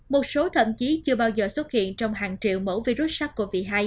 một số thậm chí chưa bao giờ xuất hiện trong hàng triệu mẫu virus sars cov hai